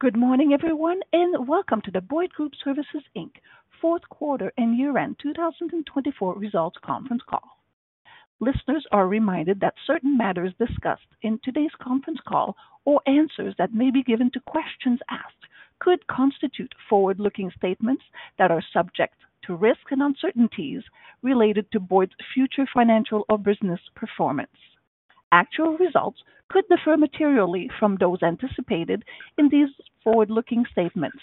Good morning, everyone, and welcome to the Boyd Group Services Fourth Quarter and Year End 2024 Results Conference Call. Listeners are reminded that certain matters discussed in today's conference call, or answers that may be given to questions asked, could constitute forward-looking statements that are subject to risks and uncertainties related to Boyd's future financial or business performance. Actual results could differ materially from those anticipated in these forward-looking statements.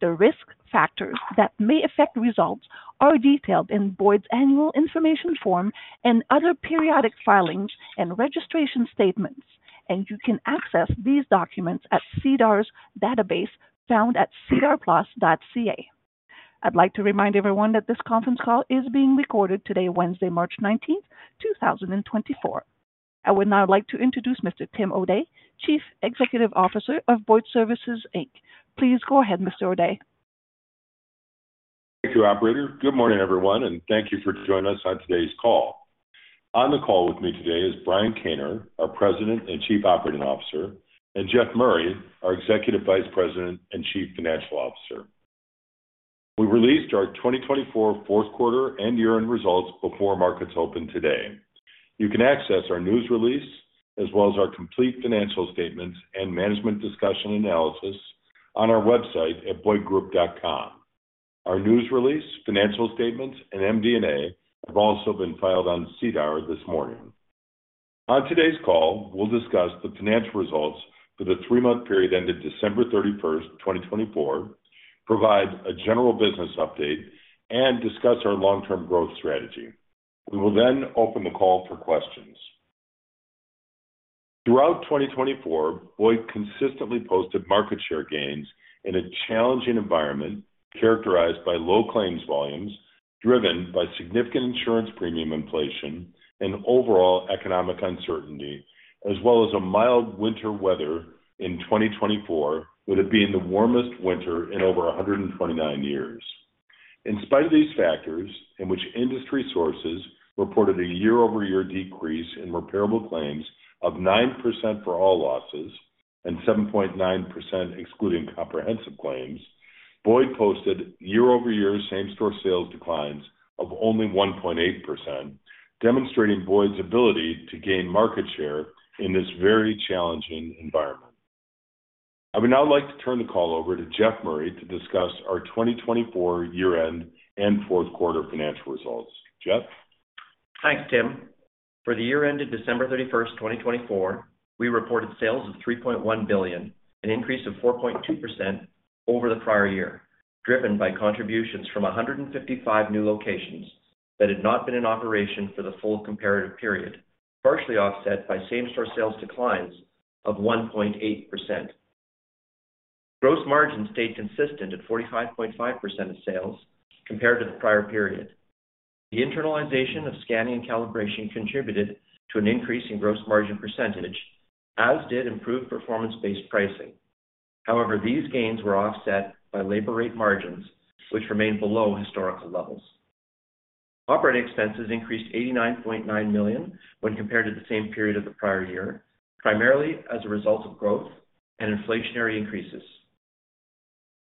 The risk factors that may affect results are detailed in Boyd's Annual Information Form and other periodic filings and registration statements, and you can access these documents at SEDAR's database found at sedarplus.ca. I'd like to remind everyone that this conference call is being recorded today, Wednesday, March 19, 2025. I would now like to introduce Mr. Tim O'Day, Chief Executive Officer of Boyd Group Services. Please go ahead, Mr. O'Day. Thank you, Operator. Good morning, everyone, and thank you for joining us on today's call. On the call with me today is Brian Kaner, our President and Chief Operating Officer, and Jeff Murray, our Executive Vice President and Chief Financial Officer. We released our 2024 fourth quarter and year end results before markets open today. You can access our news release, as well as our complete financial statements and Management's Discussion and Analysis on our website at boydgroup.com. Our news release, financial statements, and MD&A have also been filed on SEDAR this morning. On today's call, we'll discuss the financial results for the three-month period ended December 31, 2024, provide a general business update, and discuss our long-term growth strategy. We will then open the call for questions. Throughout 2024, Boyd consistently posted market share gains in a challenging environment characterized by low claims volumes driven by significant insurance premium inflation and overall economic uncertainty, as well as a mild winter weather in 2024, with it being the warmest winter in over 129 years. In spite of these factors, in which industry sources reported a year-over-year decrease in repairable claims of 9% for all losses and 7.9% excluding comprehensive claims, Boyd posted year-over-year same-store sales declines of only 1.8%, demonstrating Boyd's ability to gain market share in this very challenging environment. I would now like to turn the call over to Jeff Murray to discuss our 2024 Year End and Fourth Quarter financial results. Jeff? Thanks, Tim. For the year ended December 31, 2024, we reported sales of $3.1 billion, an increase of 4.2% over the prior year, driven by contributions from 155 new locations that had not been in operation for the full comparative period, partially offset by same-store sales declines of 1.8%. Gross margins stayed consistent at 45.5% of sales compared to the prior period. The internalization of scanning and calibration contributed to an increase in gross margin percentage, as did improved performance-based pricing. However, these gains were offset by labor rate margins, which remained below historical levels. Operating expenses increased $89.9 million when compared to the same period of the prior year, primarily as a result of growth and inflationary increases.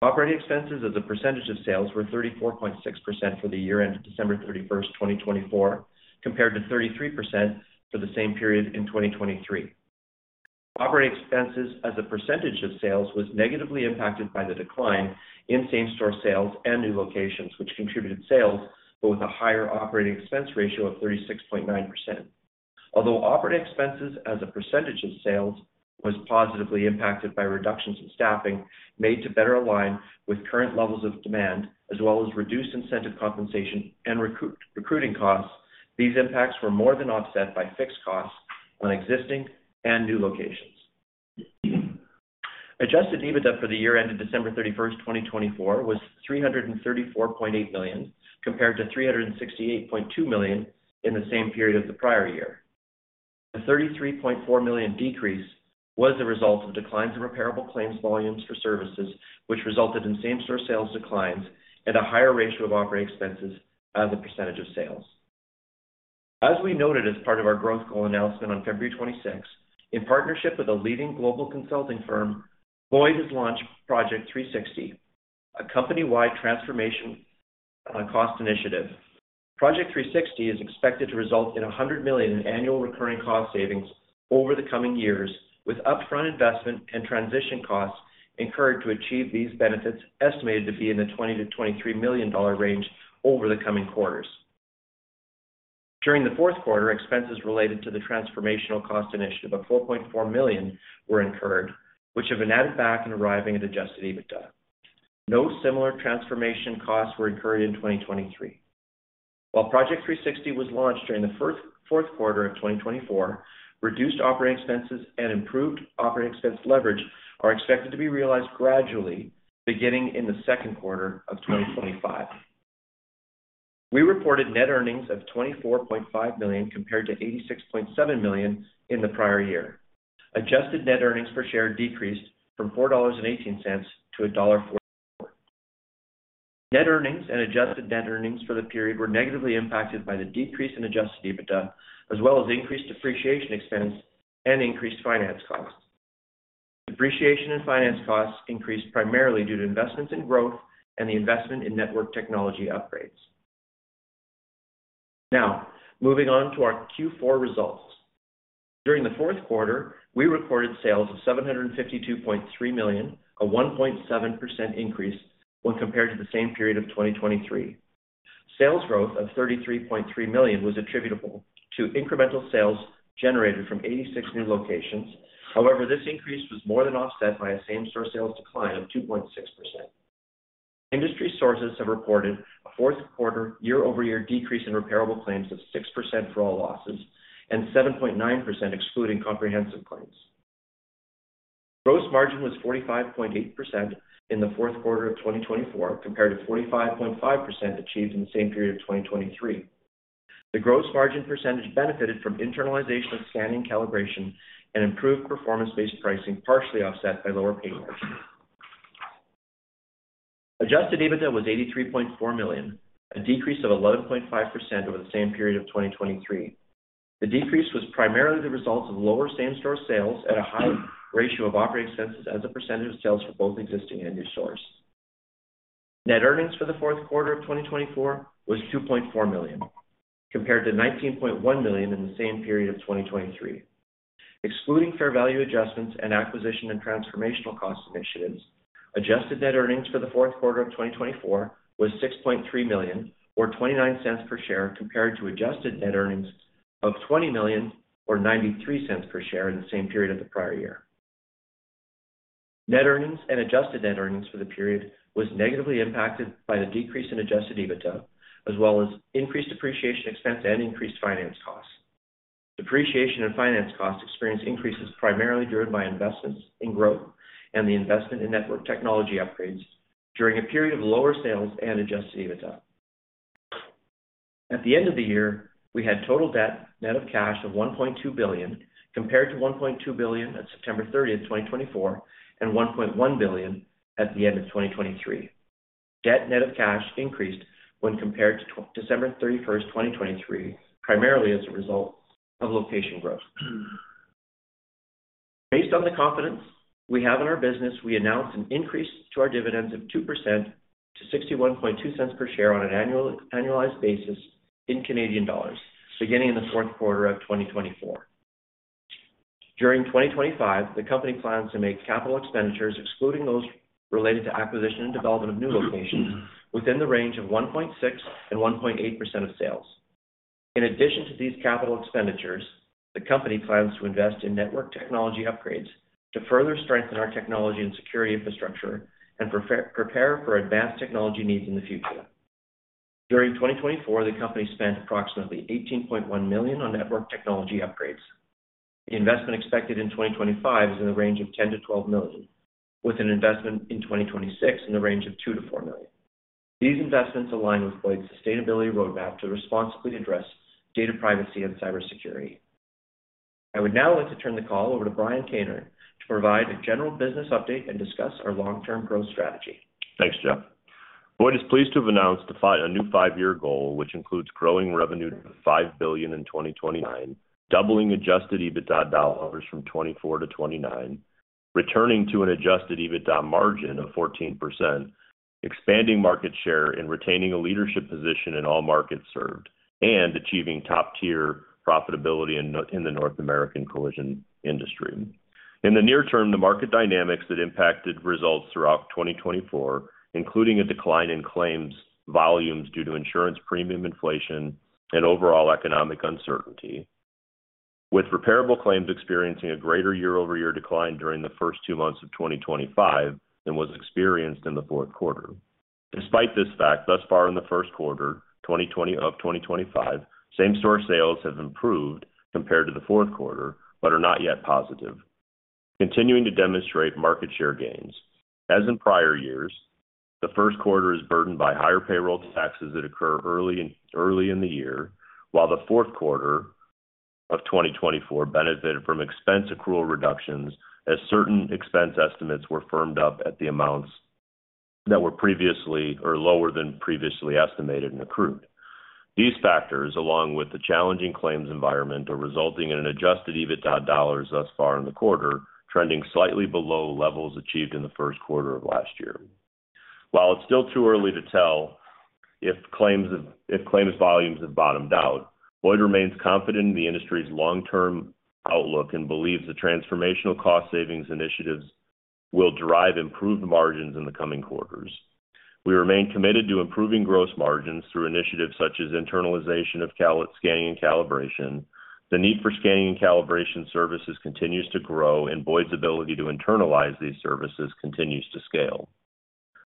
Operating expenses as a percentage of sales were 34.6% for the year ended December 31, 2024, compared to 33% for the same period in 2023. Operating expenses as a percentage of sales was negatively impacted by the decline in same-store sales and new locations, which contributed sales with a higher operating expense ratio of 36.9%. Although operating expenses as a percentage of sales was positively impacted by reductions in staffing made to better align with current levels of demand, as well as reduced incentive compensation and recruiting costs, these impacts were more than offset by fixed costs on existing and new locations. Adjusted EBITDA for the year ended December 31, 2024, was 334.8 million compared to 368.2 million in the same period of the prior year. The 33.4 million decrease was the result of declines in repairable claims volumes for services, which resulted in same-store sales declines and a higher ratio of operating expenses as a percentage of sales. As we noted as part of our Growth Goal announcement on February 26, in partnership with a leading global consulting firm, Boyd has launched Project 360, a company-wide transformation cost initiative. Project 360 is expected to result in $100 million in annual recurring cost savings over the coming years, with upfront investment and transition costs incurred to achieve these benefits estimated to be in the $20-$23 million range over the coming quarters. During the fourth quarter, expenses related to the transformational cost initiative of $4.4 million were incurred, which have been added back in arriving at adjusted EBITDA. No similar transformation costs were incurred in 2023. While Project 360 was launched during the fourth quarter of 2024, reduced operating expenses and improved operating expense leverage are expected to be realized gradually beginning in the second quarter of 2025. We reported net earnings of 24.5 million compared to 86.7 million in the prior year. Adjusted net earnings per share decreased from 4.18 dollars to CAD 1.44. Net earnings and adjusted net earnings for the period were negatively impacted by the decrease in adjusted EBITDA, as well as increased depreciation expense and increased finance costs. Depreciation and finance costs increased primarily due to investments in growth and the investment in network technology upgrades. Now, moving on to our Q4 results. During the fourth quarter, we recorded sales of 752.3 million, a 1.7% increase when compared to the same period of 2023. Sales growth of 33.3 million was attributable to incremental sales generated from 86 new locations. However, this increase was more than offset by a same-store sales decline of 2.6%. Industry sources have reported a fourth quarter year-over-year decrease in repairable claims of 6% for all losses and 7.9% excluding comprehensive claims. Gross margin was 45.8% in the fourth quarter of 2024 compared to 45.5% achieved in the same period of 2023. The gross margin percentage benefited from internalization of scanning and calibration and improved performance-based pricing partially offset by lower pay margins. Adjusted EBITDA was 83.4 million, a decrease of 11.5% over the same period of 2023. The decrease was primarily the result of lower same-store sales and a high ratio of operating expenses as a percentage of sales for both existing and new stores. Net earnings for the fourth quarter of 2024 was 2.4 million compared to 19.1 million in the same period of 2023. Excluding fair value adjustments and acquisition and transformational cost initiatives, adjusted net earnings for the fourth quarter of 2024 was 6.3 million, or 0.29 per share, compared to adjusted net earnings of 20 million, or 0.93 per share in the same period of the prior year. Net earnings and adjusted net earnings for the period were negatively impacted by the decrease in adjusted EBITDA, as well as increased depreciation expense and increased finance costs. Depreciation and finance costs experienced increases primarily driven by investments in growth and the investment in network technology upgrades during a period of lower sales and adjusted EBITDA. At the end of the year, we had total debt net of cash of 1.2 billion compared to 1.2 billion at September 30, 2024, and 1.1 billion at the end of 2023. Debt net of cash increased when compared to December 31, 2023, primarily as a result of location growth. Based on the confidence we have in our business, we announced an increase to our dividends of 2% to 0.61 per share on an annualized basis in Canadian dollars beginning in the fourth quarter of 2024. During 2025, the company plans to make capital expenditures excluding those related to acquisition and development of new locations within the range of 1.6%-1.8% of sales. In addition to these capital expenditures, the company plans to invest in network technology upgrades to further strengthen our technology and security infrastructure and prepare for advanced technology needs in the future. During 2024, the company spent approximately CAD 18.1 million on network technology upgrades. The investment expected in 2025 is in the range of 10 million-12 million, with an investment in 2026 in the range of 2 million-4 million. These investments align with Boyd's sustainability roadmap to responsibly address data privacy and cybersecurity. I would now like to turn the call over to Brian Kaner to provide a general business update and discuss our long-term growth strategy. Thanks, Jeff. Boyd is pleased to have announced a new five-year goal, which includes growing revenue to $5 billion in 2029, doubling adjusted EBITDA dollars from $24 to $29, returning to an adjusted EBITDA margin of 14%, expanding market share and retaining a leadership position in all markets served, and achieving top-tier profitability in the North American collision industry. In the near term, the market dynamics that impacted results throughout 2024, including a decline in claims volumes due to insurance premium inflation and overall economic uncertainty, with repairable claims experiencing a greater year-over-year decline during the first two months of 2025 than was experienced in the fourth quarter. Despite this fact, thus far in the first quarter of 2025, same-store sales have improved compared to the fourth quarter but are not yet positive, continuing to demonstrate market share gains. As in prior years, the first quarter is burdened by higher payroll taxes that occur early in the year, while the fourth quarter of 2024 benefited from expense accrual reductions as certain expense estimates were firmed up at the amounts that were lower than previously estimated and accrued. These factors, along with the challenging claims environment, are resulting in an adjusted EBITDA dollars thus far in the quarter trending slightly below levels achieved in the first quarter of last year. While it's still too early to tell if claims volumes have bottomed out, Boyd remains confident in the industry's long-term outlook and believes the transformational cost savings initiatives will drive improved margins in the coming quarters. We remain committed to improving gross margins through initiatives such as internalization of scanning and calibration. The need for scanning and calibration services continues to grow, and Boyd's ability to internalize these services continues to scale.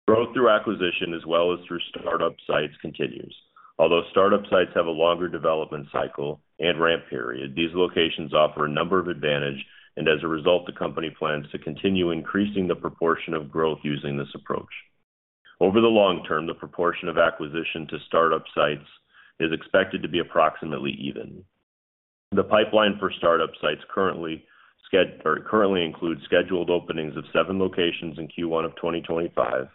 Growth through acquisition, as well as through startup sites, continues. Although startup sites have a longer development cycle and ramp period, these locations offer a number of advantages, and as a result, the company plans to continue increasing the proportion of growth using this approach. Over the long term, the proportion of acquisition to startup sites is expected to be approximately even. The pipeline for startup sites currently includes scheduled openings of seven locations in Q1 of 2025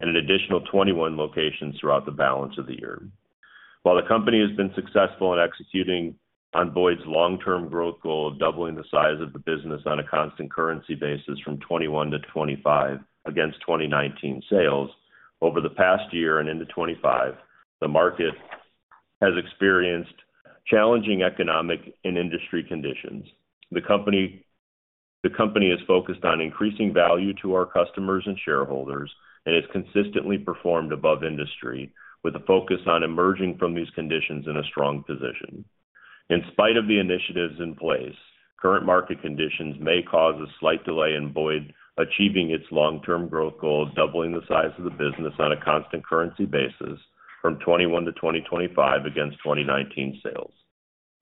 and an additional 21 locations throughout the balance of the year. While the company has been successful in executing on Boyd's long-term growth goal of doubling the size of the business on a constant currency basis from 2021 to 2025 against 2019 sales, over the past year and into 2025, the market has experienced challenging economic and industry conditions. The company is focused on increasing value to our customers and shareholders and has consistently performed above industry, with a focus on emerging from these conditions in a strong position. In spite of the initiatives in place, current market conditions may cause a slight delay in Boyd achieving its long-term growth goal of doubling the size of the business on a constant currency basis from 2021 to 2025 against 2019 sales.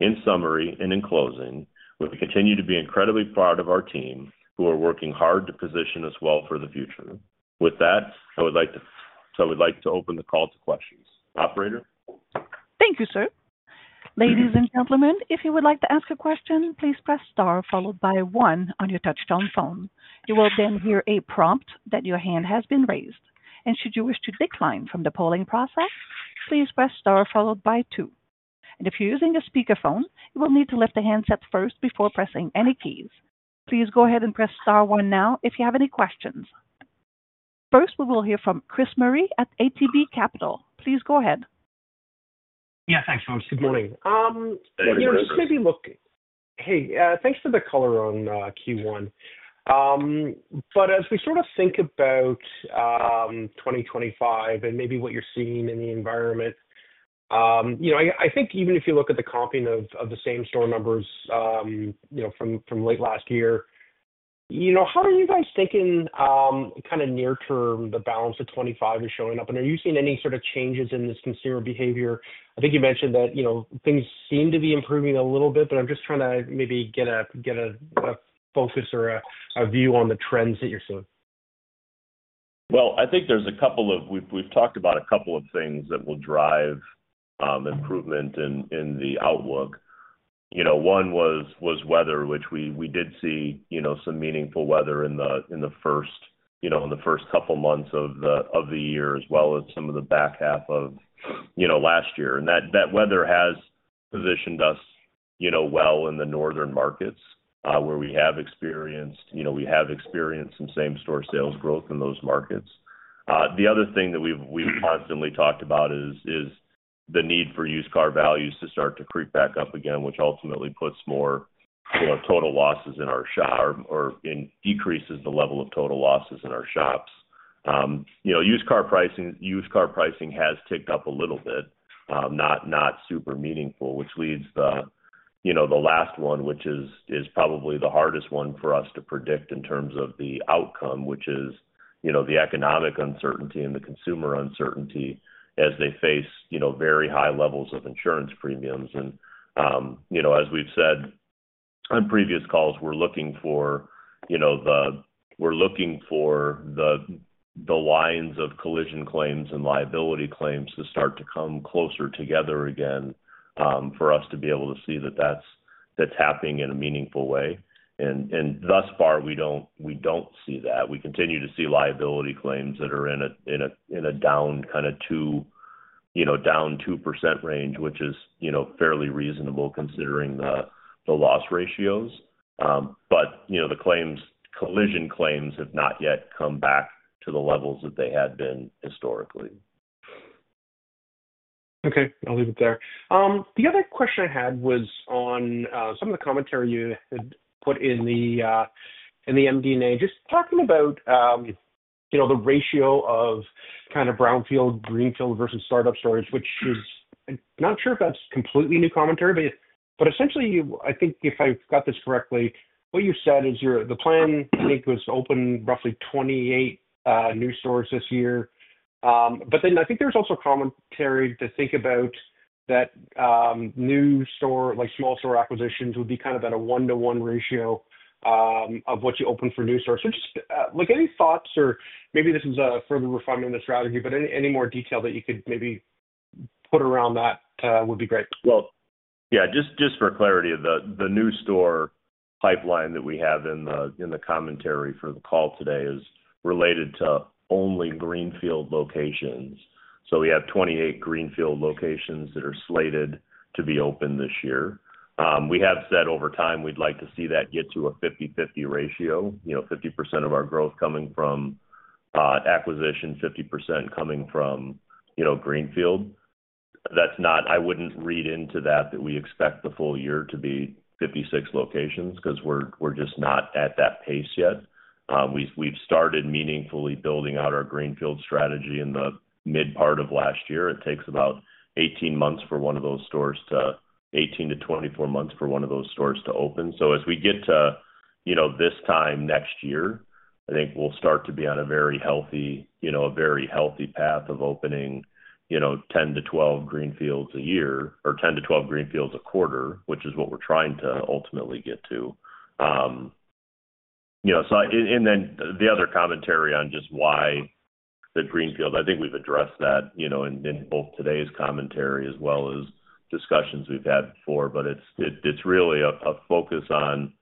In summary and in closing, we continue to be incredibly proud of our team, who are working hard to position us well for the future. With that, I would like to open the call to questions. Operator. Thank you, sir. Ladies and gentlemen, if you would like to ask a question, please press star followed by one on your touch-tone phone. You will then hear a prompt that your hand has been raised. Should you wish to decline from the polling process, please press star followed by two. If you are using a speakerphone, you will need to lift the handset first before pressing any keys. Please go ahead and press star one now if you have any questions. First, we will hear from Chris Murray at ATB Capital. Please go ahead. Yeah, thanks, folks. Good morning. What are you doing? Hey, thanks for the color on Q1. As we sort of think about 2025 and maybe what you're seeing in the environment, I think even if you look at the comping of the same-store numbers from late last year, how are you guys thinking kind of near term the balance of 2025 is showing up? Are you seeing any sort of changes in this consumer behavior? I think you mentioned that things seem to be improving a little bit, but I'm just trying to maybe get a focus or a view on the trends that you're seeing. I think there's a couple of—we've talked about a couple of things that will drive improvement in the outlook. One was weather, which we did see some meaningful weather in the first couple of months of the year, as well as some of the back half of last year. That weather has positioned us well in the northern markets where we have experienced—we have experienced some same-store sales growth in those markets. The other thing that we've constantly talked about is the need for used car values to start to creep back up again, which ultimately puts more total losses in our shop or decreases the level of total losses in our shops. Used car pricing has ticked up a little bit, not super meaningful, which leads to the last one, which is probably the hardest one for us to predict in terms of the outcome, which is the economic uncertainty and the consumer uncertainty as they face very high levels of insurance premiums. As we've said on previous calls, we're looking for the lines of collision claims and liability claims to start to come closer together again for us to be able to see that that's happening in a meaningful way. Thus far, we don't see that. We continue to see liability claims that are in a down kind of 2% range, which is fairly reasonable considering the loss ratios. The collision claims have not yet come back to the levels that they had been historically. Okay. I'll leave it there. The other question I had was on some of the commentary you had put in the MD&A, just talking about the ratio of kind of brownfield, greenfield versus startup stores, which is not sure if that's completely new commentary, but essentially, I think if I've got this correctly, what you said is the plan, I think, was to open roughly 28 new stores this year. But then I think there's also commentary to think about that new store, like small store acquisitions, would be kind of at a one-to-one ratio of what you open for new stores. Just any thoughts, or maybe this is a further refinement of the strategy, but any more detail that you could maybe put around that would be great. Just for clarity, the new store pipeline that we have in the commentary for the call today is related to only greenfield locations. We have 28 greenfield locations that are slated to be open this year. We have said over time we'd like to see that get to a 50/50 ratio, 50% of our growth coming from acquisition, 50% coming from greenfield. I wouldn't read into that that we expect the full year to be 56 locations because we're just not at that pace yet. We've started meaningfully building out our greenfield strategy in the mid part of last year. It takes about 18 months for one of those stores to—18 to 24 months for one of those stores to open. As we get to this time next year, I think we'll start to be on a very healthy path of opening 10-12 greenfields a year or 10-12 greenfields a quarter, which is what we're trying to ultimately get to. The other commentary on just why the greenfield, I think we've addressed that in both today's commentary as well as discussions we've had before, but it's really a focus on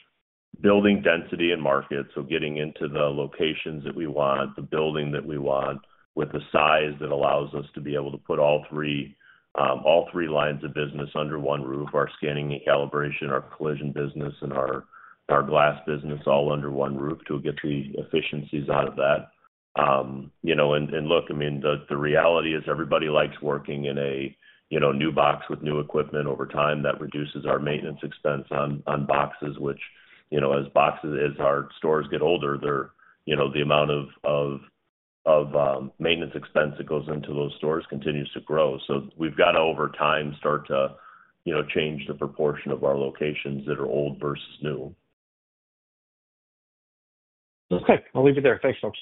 building density in markets. Getting into the locations that we want, the building that we want with the size that allows us to be able to put all three lines of business under one roof, our scanning and calibration, our collision business, and our glass business all under one roof to get the efficiencies out of that. Look, I mean, the reality is everybody likes working in a new box with new equipment. Over time that reduces our maintenance expense on boxes, which as our stores get older, the amount of maintenance expense that goes into those stores continues to grow. We have to, over time, start to change the proportion of our locations that are old versus new. Okay. I'll leave it there. Thanks, folks.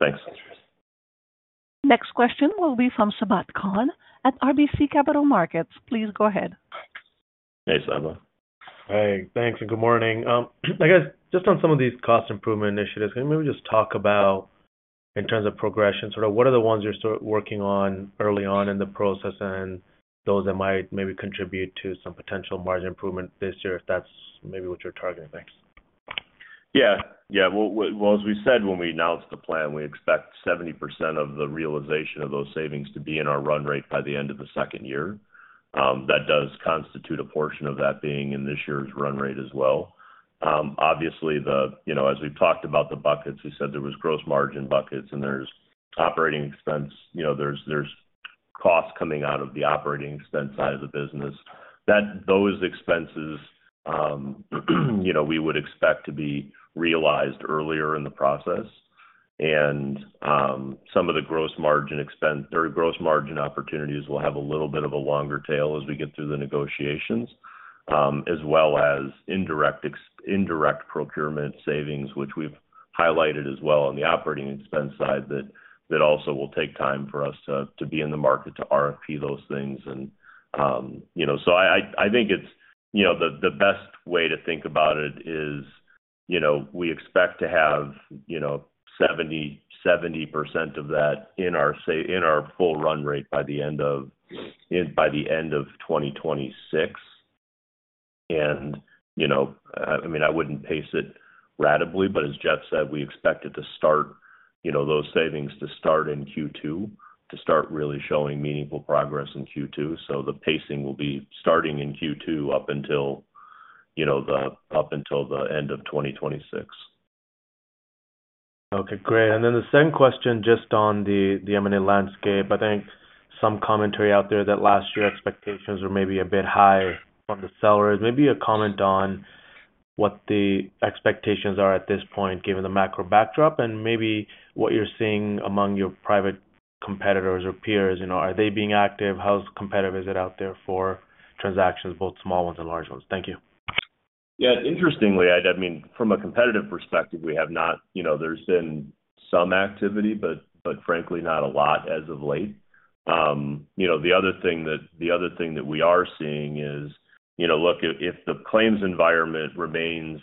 Thanks. Next question will be from Sabahat Khan at RBC Capital Markets. Please go ahead. Hey, Sabahat. Hey. Thanks. Good morning. I guess just on some of these cost improvement initiatives, can you maybe just talk about in terms of progression, sort of what are the ones you're still working on early on in the process and those that might maybe contribute to some potential margin improvement this year if that's maybe what you're targeting? Thanks. Yeah. Yeah. As we said, when we announced the plan, we expect 70% of the realization of those savings to be in our run rate by the end of the second year. That does constitute a portion of that being in this year's run rate as well. Obviously, as we've talked about the buckets, we said there were gross margin buckets, and there's operating expense. There's costs coming out of the operating expense side of the business. Those expenses, we would expect to be realized earlier in the process. Some of the gross margin opportunities will have a little bit of a longer tail as we get through the negotiations, as well as indirect procurement savings, which we've highlighted as well on the operating expense side that also will take time for us to be in the market to RFP those things. I think the best way to think about it is we expect to have 70% of that in our full run rate by the end of 2026. I mean, I would not pace it radically, but as Jeff said, we expect those savings to start in Q2, to start really showing meaningful progress in Q2. The pacing will be starting in Q2 up until the end of 2026. Okay. Great. The same question just on the M&A landscape. I think some commentary out there that last year expectations were maybe a bit high on the sellers. Maybe a comment on what the expectations are at this point, given the macro backdrop, and maybe what you're seeing among your private competitors or peers. Are they being active? How competitive is it out there for transactions, both small ones and large ones? Thank you. Yeah. Interestingly, I mean, from a competitive perspective, we have not—there's been some activity, but frankly, not a lot as of late. The other thing that we are seeing is, look, if the claims environment remains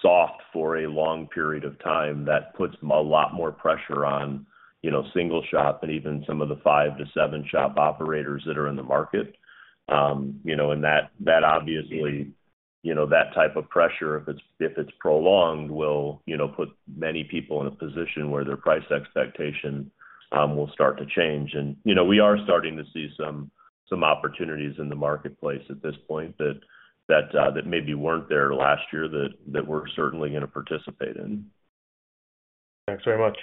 soft for a long period of time, that puts a lot more pressure on single shop and even some of the five to seven shop operators that are in the market. That obviously, that type of pressure, if it's prolonged, will put many people in a position where their price expectation will start to change. We are starting to see some opportunities in the marketplace at this point that maybe weren't there last year that we're certainly going to participate in. Thanks very much.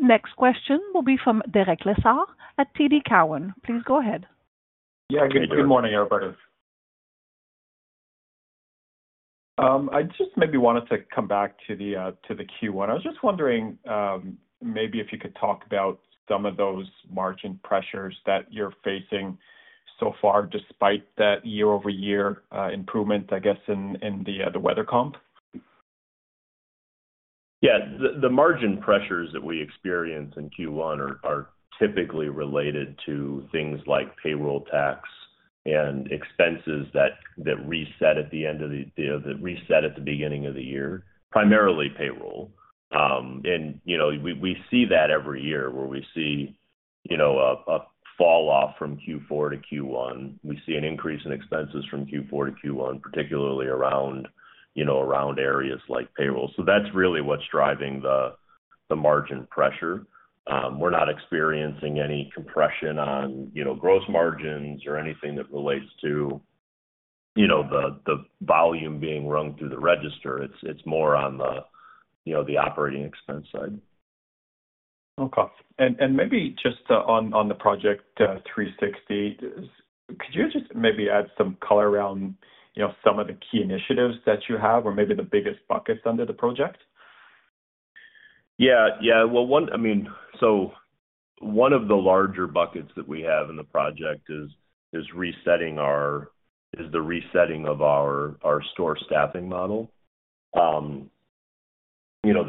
Next question will be from Derek Lessard at TD Cowen. Please go ahead. Yeah. Good morning, everybody. I just maybe wanted to come back to the Q1. I was just wondering maybe if you could talk about some of those margin pressures that you're facing so far despite that year-over-year improvement, I guess, in the weather comp. Yeah. The margin pressures that we experience in Q1 are typically related to things like payroll tax and expenses that reset at the end of the—that reset at the beginning of the year, primarily payroll. We see that every year where we see a falloff from Q4 to Q1. We see an increase in expenses from Q4 to Q1, particularly around areas like payroll. That's really what's driving the margin pressure. We're not experiencing any compression on gross margins or anything that relates to the volume being rung through the register. It's more on the operating expense side. Okay. Maybe just on the Project 360, could you just maybe add some color around some of the key initiatives that you have or maybe the biggest buckets under the project? Yeah. Yeah. I mean, one of the larger buckets that we have in the project is resetting our—is the resetting of our store staffing model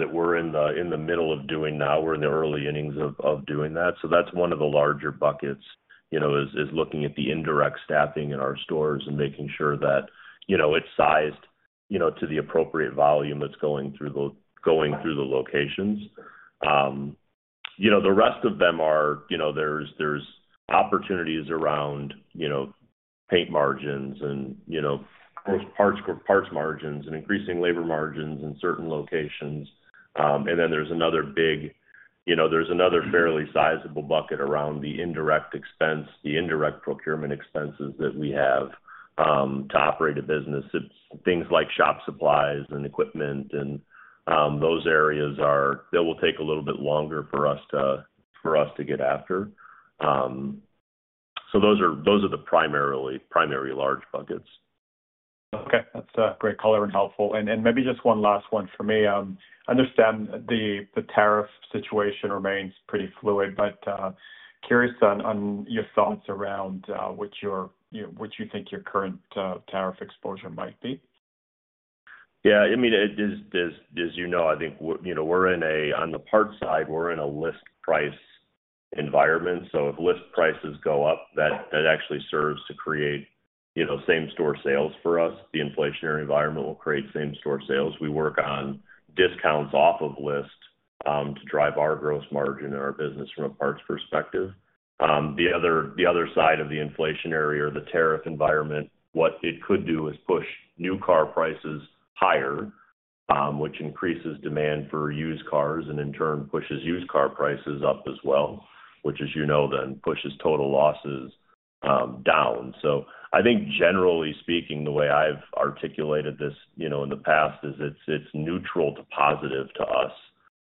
that we're in the middle of doing now. We're in the early innings of doing that. That's one of the larger buckets, looking at the indirect staffing in our stores and making sure that it's sized to the appropriate volume that's going through the locations. The rest of them are, there's opportunities around paint margins and parts margins and increasing labor margins in certain locations. Then there's another big, there's another fairly sizable bucket around the indirect expense, the indirect procurement expenses that we have to operate a business. It's things like shop supplies and equipment, and those areas that will take a little bit longer for us to get after. Those are the primarily large buckets. Okay. That's great color and helpful. Maybe just one last one for me. I understand the tariff situation remains pretty fluid, but curious on your thoughts around what you think your current tariff exposure might be. Yeah. I mean, as you know, I think we're in a, on the parts side, we're in a list price environment. If list prices go up, that actually serves to create same-store sales for us. The inflationary environment will create same-store sales. We work on discounts off of list to drive our gross margin and our business from a parts perspective. The other side of the inflationary or the tariff environment, what it could do is push new car prices higher, which increases demand for used cars and in turn pushes used car prices up as well, which, as you know, then pushes total losses down. I think, generally speaking, the way I've articulated this in the past is it's neutral to positive to us.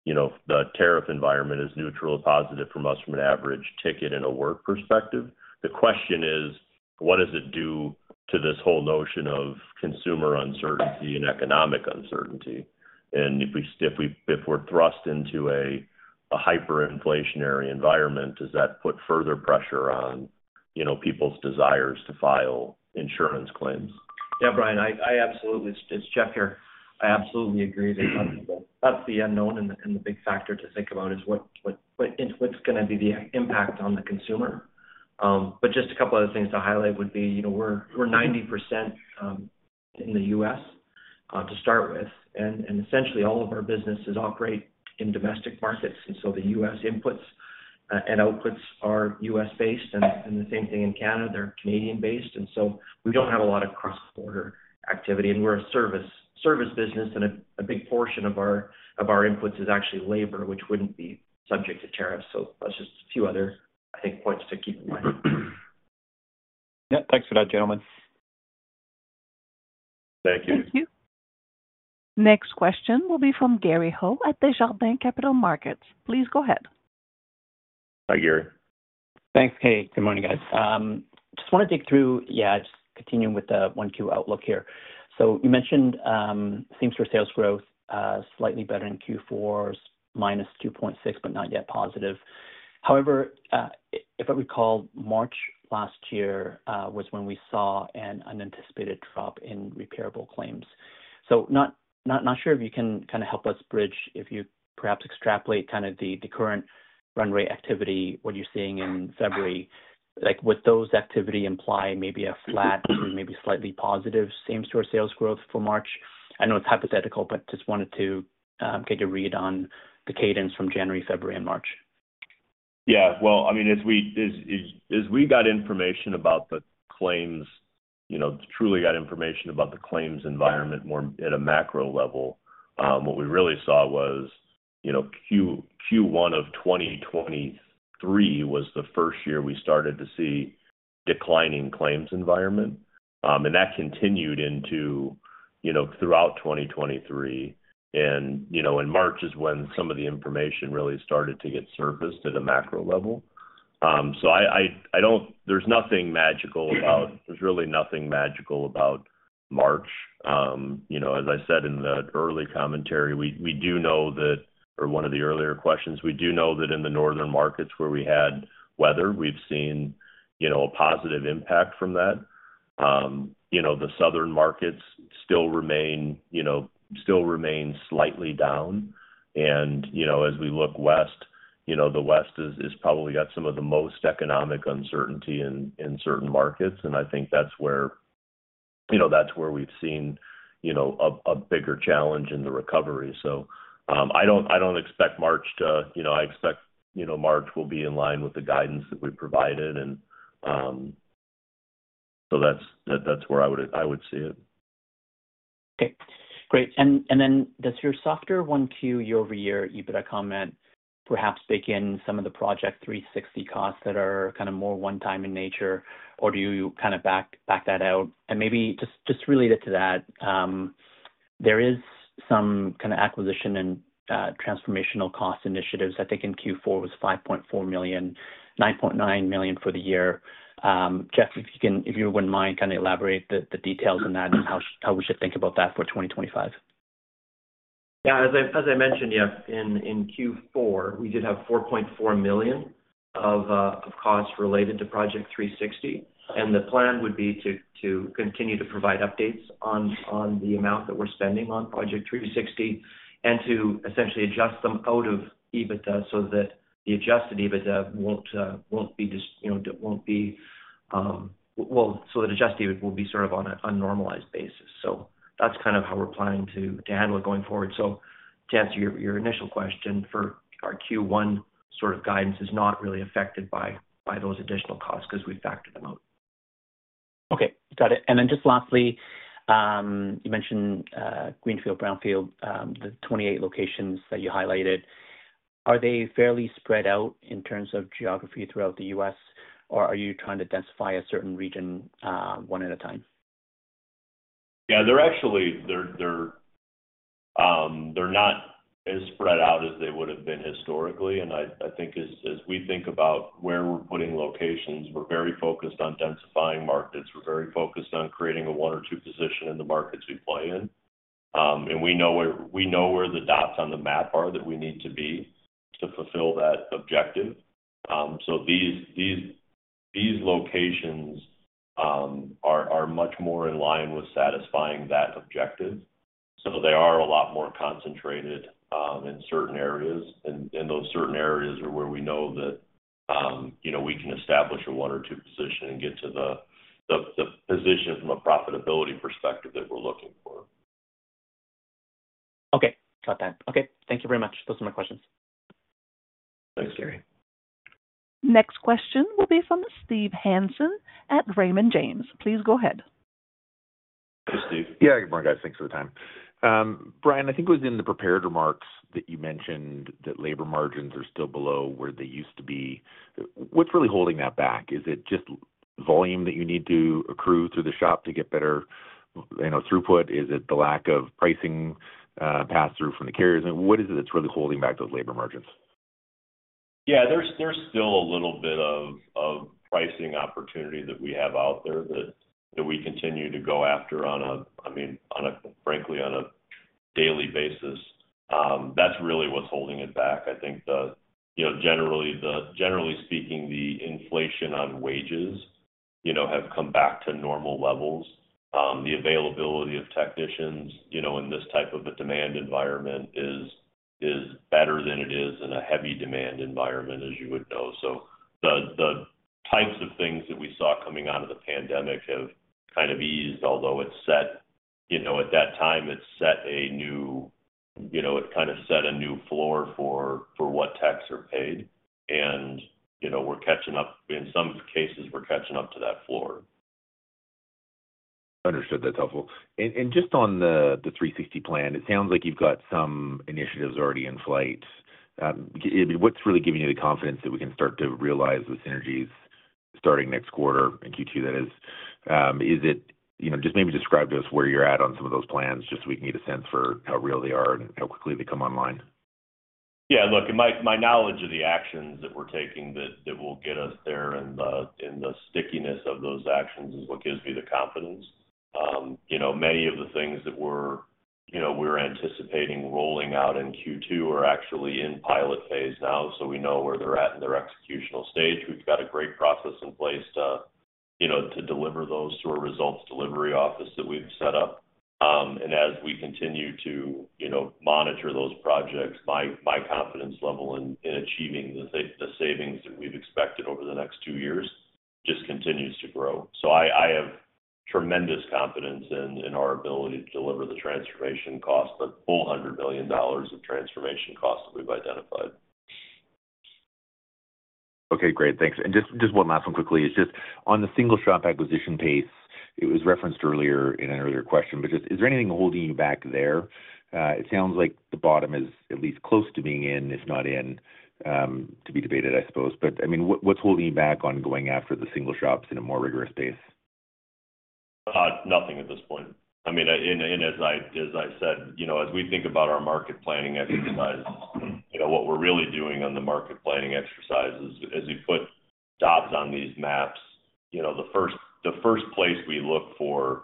The tariff environment is neutral to positive from us from an average ticket and a work perspective. The question is, what does it do to this whole notion of consumer uncertainty and economic uncertainty? If we're thrust into a hyperinflationary environment, does that put further pressure on people's desires to file insurance claims? Yeah, Brian, I absolutely—it's Jeff here. I absolutely agree that that's the unknown and the big factor to think about is what's going to be the impact on the consumer. Just a couple of other things to highlight would be we're 90% in the U.S. to start with, and essentially all of our businesses operate in domestic markets. The U.S. inputs and outputs are U.S.-based, and the same thing in Canada, they're Canadian-based. We don't have a lot of cross-border activity, and we're a service business, and a big portion of our inputs is actually labor, which wouldn't be subject to tariffs. That's just a few other, I think, points to keep in mind. Yeah. Thanks for that, gentlemen. Thank you. Thank you. Next question will be from Gary Ho at Desjardins Capital Markets. Please go ahead. Hi, Gary. Thanks. Hey, good morning, guys. Just want to dig through, yeah, just continuing with the Q1 outlook here. You mentioned same-store sales growth slightly better in Q4, minus 2.6%, but not yet positive. However, if I recall, March last year was when we saw an unanticipated drop in repairable claims. Not sure if you can kind of help us bridge if you perhaps extrapolate kind of the current run rate activity, what you're seeing in February. Would those activity imply maybe a flat to maybe slightly positive same-store sales growth for March? I know it's hypothetical, but just wanted to get your read on the cadence from January, February, and March. Yeah. I mean, as we got information about the claims, truly got information about the claims environment more at a macro level, what we really saw was Q1 of 2023 was the first year we started to see a declining claims environment. That continued throughout 2023. March is when some of the information really started to get surfaced at a macro level. There is nothing magical about March. As I said in the early commentary, we do know that—or one of the earlier questions, we do know that in the northern markets where we had weather, we have seen a positive impact from that. The southern markets still remain slightly down. As we look west, the west has probably got some of the most economic uncertainty in certain markets. I think that is where we have seen a bigger challenge in the recovery. I don't expect March to—I expect March will be in line with the guidance that we've provided. That's where I would see it. Okay. Great. Does your softer one Q year over year, you put a comment perhaps baking in some of the Project 360 costs that are kind of more one-time in nature, or do you kind of back that out? Maybe just related to that, there is some kind of acquisition and transformational cost initiatives. I think in Q4 was 5.4 million, 9.9 million for the year. Jeff, if you wouldn't mind, kind of elaborate the details on that and how we should think about that for 2025. Yeah. As I mentioned, yeah, in Q4, we did have 4.4 million of costs related to Project 360. The plan would be to continue to provide updates on the amount that we're spending on Project 360 and to essentially adjust them out of EBITDA so that the adjusted EBITDA will be sort of on a normalized basis. That's kind of how we're planning to handle it going forward. To answer your initial question, for our Q1 sort of guidance, it is not really affected by those additional costs because we've factored them out. Okay. Got it. Just lastly, you mentioned greenfield, brownfield, the 28 locations that you highlighted. Are they fairly spread out in terms of geography throughout the U.S., or are you trying to densify a certain region one at a time? Yeah. They're not as spread out as they would have been historically. I think as we think about where we're putting locations, we're very focused on densifying markets. We're very focused on creating a one or two position in the markets we play in. We know where the dots on the map are that we need to be to fulfill that objective. These locations are much more in line with satisfying that objective. They are a lot more concentrated in certain areas. Those certain areas are where we know that we can establish a one or two position and get to the position from a profitability perspective that we're looking for. Okay. Got that. Okay. Thank you very much. Those are my questions. Thanks, Gary. Next question will be from Steve Hansen at Raymond James. Please go ahead. Hey, Steve. Yeah. Good morning, guys. Thanks for the time. Brian, I think it was in the prepared remarks that you mentioned that labor margins are still below where they used to be. What's really holding that back? Is it just volume that you need to accrue through the shop to get better throughput? Is it the lack of pricing pass-through from the carriers? What is it that's really holding back those labor margins? Yeah. There's still a little bit of pricing opportunity that we have out there that we continue to go after on a—I mean, frankly, on a daily basis. That's really what's holding it back. I think, generally speaking, the inflation on wages has come back to normal levels. The availability of technicians in this type of a demand environment is better than it is in a heavy demand environment, as you would know. The types of things that we saw coming out of the pandemic have kind of eased, although at that time, it set a new—it kind of set a new floor for what techs are paid. And we're catching up. In some cases, we're catching up to that floor. Understood. That's helpful. Just on the 360 plan, it sounds like you've got some initiatives already in flight. What's really giving you the confidence that we can start to realize the synergies starting next quarter in Q2, that is? Is it just maybe describe to us where you're at on some of those plans just so we can get a sense for how real they are and how quickly they come online? Yeah. Look, my knowledge of the actions that we're taking that will get us there and the stickiness of those actions is what gives me the confidence. Many of the things that we're anticipating rolling out in Q2 are actually in pilot phase now. We know where they're at in their executional stage. We've got a great process in place to deliver those to our Results Delivery Office that we've set up. As we continue to monitor those projects, my confidence level in achieving the savings that we've expected over the next two years just continues to grow. I have tremendous confidence in our ability to deliver the transformation cost, the full $100 million of transformation cost that we've identified. Okay. Great. Thanks. Just one last one quickly. It's just on the single shop acquisition pace, it was referenced earlier in an earlier question, but just is there anything holding you back there? It sounds like the bottom is at least close to being in, if not in, to be debated, I suppose. I mean, what's holding you back on going after the single shops in a more rigorous space? Nothing at this point. I mean, and as I said, as we think about our market planning exercise, what we're really doing on the market planning exercise is as we put dots on these maps, the first place we look for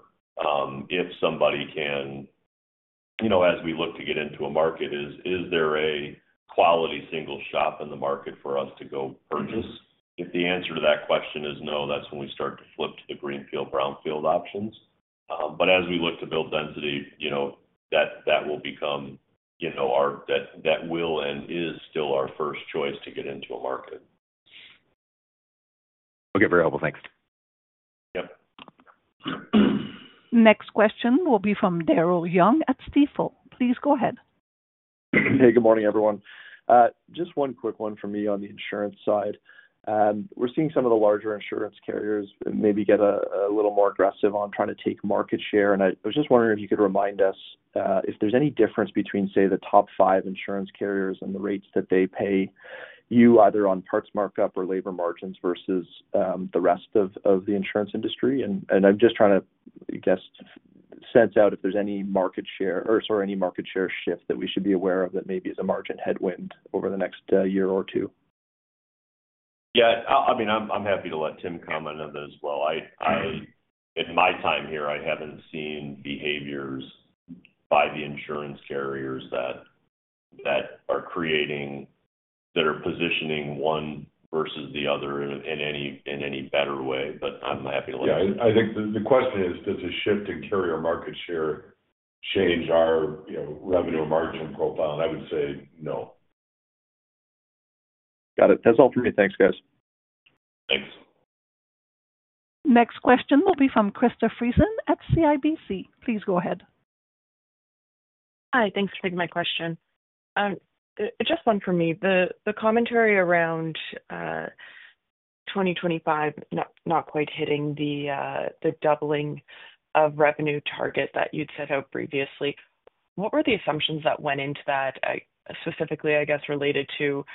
if somebody can—as we look to get into a market, is there a quality single shop in the market for us to go purchase? If the answer to that question is no, that's when we start to flip to the greenfield, Brownfield options. As we look to build density, that will become our—that will and is still our first choice to get into a market. Okay. Very helpful. Thanks. Yep. Next question will be from Daryl Young at Stifel. Please go ahead. Hey, good morning, everyone. Just one quick one for me on the insurance side. We're seeing some of the larger insurance carriers maybe get a little more aggressive on trying to take market share. I was just wondering if you could remind us if there's any difference between, say, the top five insurance carriers and the rates that they pay you either on parts markup or labor margins versus the rest of the insurance industry. I'm just trying to, I guess, sense out if there's any market share or, sorry, any market share shift that we should be aware of that maybe is a margin headwind over the next year or two. Yeah. I mean, I'm happy to let Tim comment on that as well. In my time here, I haven't seen behaviors by the insurance carriers that are positioning one versus the other in any better way, but I'm happy to let you know. Yeah. I think the question is, does a shift in carrier market share change our revenue margin profile? I would say no. Got it. That's all for me. Thanks, guys. Thanks. Next question will be from Krista Friesen at CIBC. Please go ahead. Hi. Thanks for taking my question. Just one for me. The commentary around 2025 not quite hitting the doubling of revenue target that you'd set out previously, what were the assumptions that went into that specifically, I guess, related to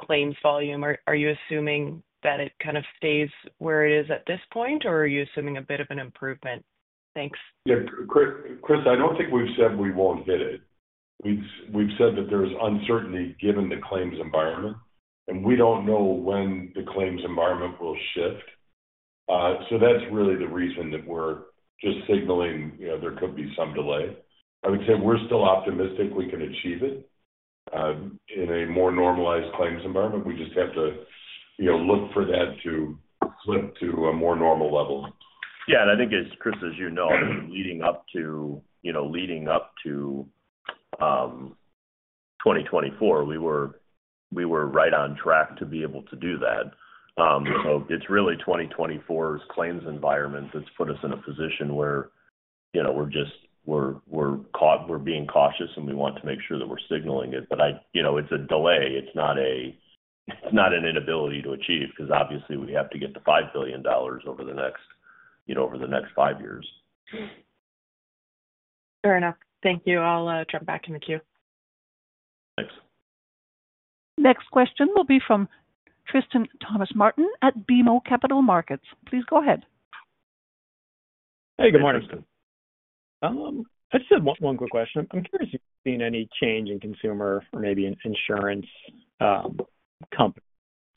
claims volume? Are you assuming that it kind of stays where it is at this point, or are you assuming a bit of an improvement? Thanks. Yeah. Chris, I don't think we've said we won't hit it. We've said that there's uncertainty given the claims environment, and we don't know when the claims environment will shift. That's really the reason that we're just signaling there could be some delay. I would say we're still optimistic we can achieve it in a more normalized claims environment. We just have to look for that to flip to a more normal level. Yeah. I think, Chris, as you know, leading up to 2024, we were right on track to be able to do that. It is really 2024's claims environment that has put us in a position where we are being cautious, and we want to make sure that we are signaling it. It is a delay. It is not an inability to achieve because, obviously, we have to get to $5 billion over the next five years. Fair enough. Thank you. I'll jump back in the queue. Thanks. Next question will be from Tristan Thomas-Martin at BMO Capital Markets. Please go ahead. Hey, good morning. Hey, Tristan. I just have one quick question. I'm curious if you've seen any change in consumer or maybe insurance company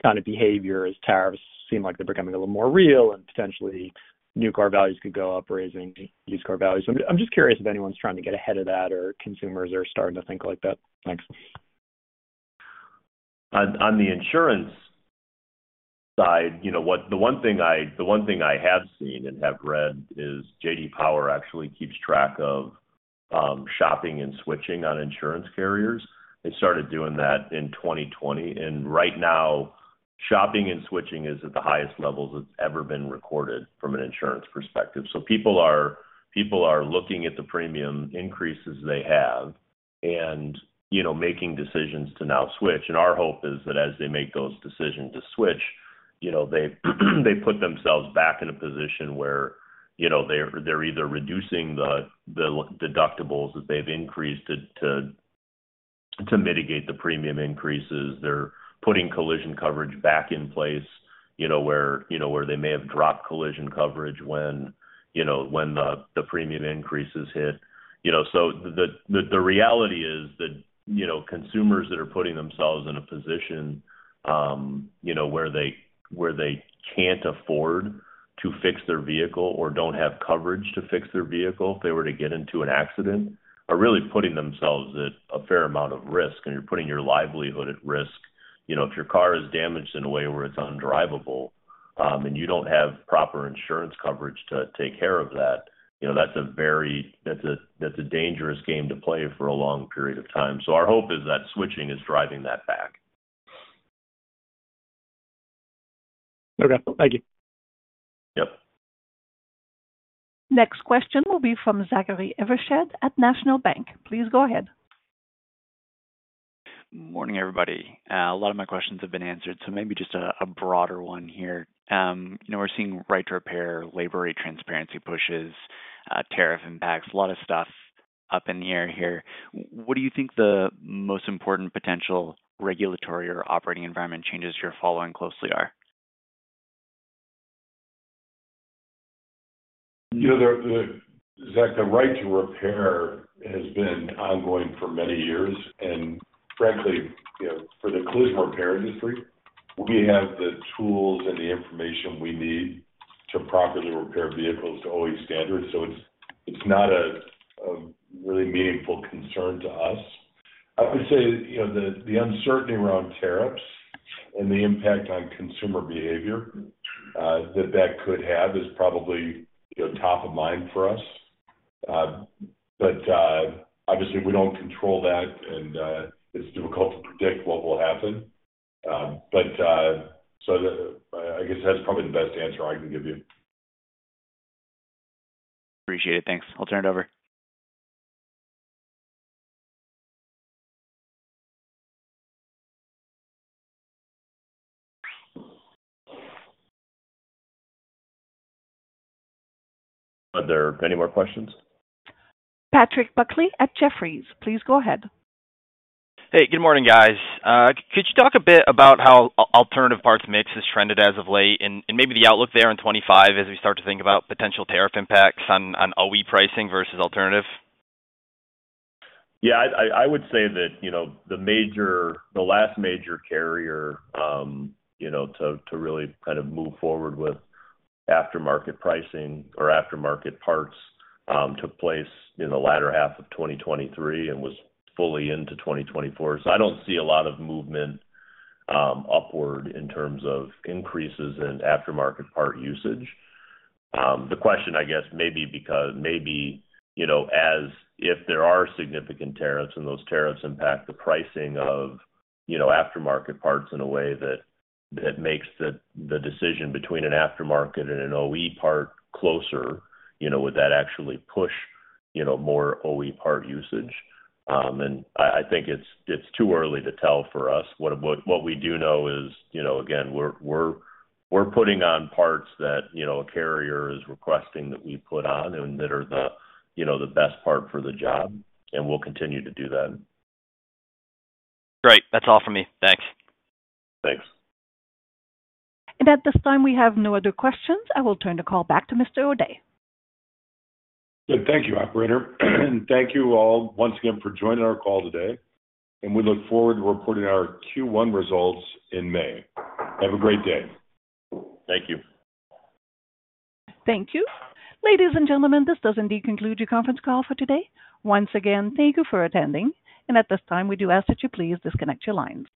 kind of behavior as tariffs seem like they're becoming a little more real and potentially new car values could go up raising used car values. I'm just curious if anyone's trying to get ahead of that or consumers are starting to think like that. Thanks. On the insurance side, the one thing I have seen and have read is J.D. Power actually keeps track of shopping and switching on insurance carriers. They started doing that in 2020. Right now, shopping and switching is at the highest levels it's ever been recorded from an insurance perspective. People are looking at the premium increases they have and making decisions to now switch. Our hope is that as they make those decisions to switch, they put themselves back in a position where they're either reducing the deductibles that they've increased to mitigate the premium increases. They're putting collision coverage back in place where they may have dropped collision coverage when the premium increases hit. The reality is that consumers that are putting themselves in a position where they can't afford to fix their vehicle or don't have coverage to fix their vehicle if they were to get into an accident are really putting themselves at a fair amount of risk. You're putting your livelihood at risk. If your car is damaged in a way where it's undrivable and you don't have proper insurance coverage to take care of that, that's a dangerous game to play for a long period of time. Our hope is that switching is driving that back. Okay. Thank you. Yep. Next question will be from Zachary Evershed at National Bank. Please go ahead. Morning, everybody. A lot of my questions have been answered. Maybe just a broader one here. We're seeing right-to-repair, labor rate transparency pushes, tariff impacts, a lot of stuff up in the air here. What do you think the most important potential regulatory or operating environment changes you're following closely are? Zach, the right-to-repair has been ongoing for many years. Frankly, for the collision repair industry, we have the tools and the information we need to properly repair vehicles to OE standards. It is not a really meaningful concern to us. I would say the uncertainty around tariffs and the impact on consumer behavior that that could have is probably top of mind for us. Obviously, we do not control that, and it is difficult to predict what will happen. I guess that is probably the best answer I can give you. Appreciate it. Thanks. I'll turn it over. Are there any more questions? Patrick Buckley at Jefferies. Please go ahead. Hey, good morning, guys. Could you talk a bit about how alternative parts mix has trended as of late and maybe the outlook there in 2025 as we start to think about potential tariff impacts on OE pricing versus alternative? Yeah. I would say that the last major carrier to really kind of move forward with aftermarket pricing or aftermarket parts took place in the latter half of 2023 and was fully into 2024. I do not see a lot of movement upward in terms of increases in aftermarket part usage. The question, I guess, maybe is if there are significant tariffs and those tariffs impact the pricing of aftermarket parts in a way that makes the decision between an aftermarket and an OE part closer, would that actually push more OE part usage? I think it is too early to tell for us. What we do know is, again, we are putting on parts that a carrier is requesting that we put on and that are the best part for the job. We will continue to do that. Great. That's all for me. Thanks. Thanks. At this time, we have no other questions. I will turn the call back to Mr. O'Day. Good. Thank you, operator. Thank you all once again for joining our call today. We look forward to reporting our Q1 results in May. Have a great day. Thank you. Thank you. Ladies and gentlemen, this does indeed conclude your conference call for today. Once again, thank you for attending. At this time, we do ask that you please disconnect your lines.